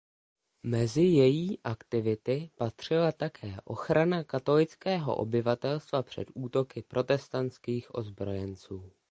Mezi její aktivity patřila také ochrana katolického obyvatelstva před útoky protestantských ozbrojenců.